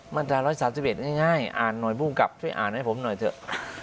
มาตรา๑๓๑ง่ายอ่านหน่อยภูมิกับช่วยอ่านให้ผมหน่อยเถอะ